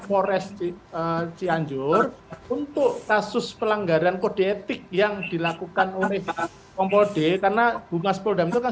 polres cianjur untuk kasus pelanggaran kode etik yang dilakukan oleh kompo d karena bunga sepuluh dan